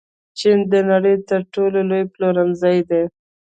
چین د نړۍ تر ټولو لوی پلورنځی دی.